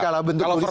kalau bentuk tulisan